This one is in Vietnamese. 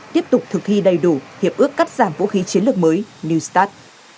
tiếp tục thực thi đầy đủ hiệp ước cắt giảm vũ khí chiến lược mới new start